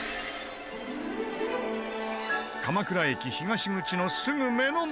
鎌倉駅東口のすぐ目の前。